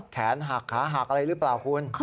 แขนหักขาหักอะไรหรือเปล่าคุณ